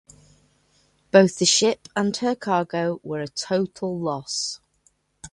Both the ship and her cargo were a total loss.